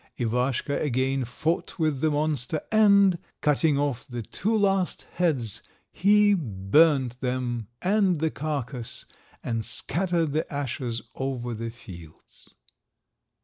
Ivaschka again fought with the monster, and, cutting off the two last heads, he burnt them and the carcass, and scattered the ashes over the fields.